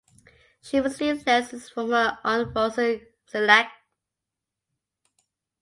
She received lessons from her aunt Rosa Csillag.